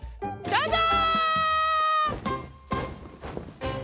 どうぞ！